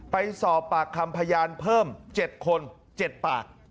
ไปสอบปากคำพยานเพิ่ม๗คน๗ปาก